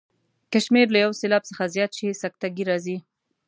که شمېر له یو سېلاب څخه زیات شي سکته ګي راځي.